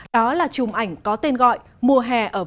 đó là chùm ảnh có tên gọi mùa hè ở vũ trụ song song